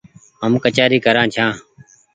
هم ڪچآري ڪرآن ڇآن ۔